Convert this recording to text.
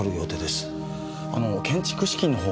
あの建築資金の方は？